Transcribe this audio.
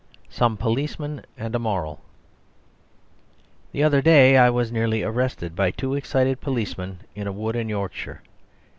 Some Policemen and a Moral The other day I was nearly arrested by two excited policemen in a wood in Yorkshire.